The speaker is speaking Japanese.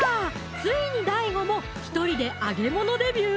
ついにＤＡＩＧＯも１人で揚げ物デビュー？